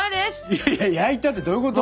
いやいや焼いたってどういうこと？